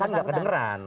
kan tidak kedengeran